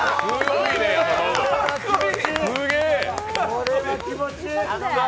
これは気持ちいい。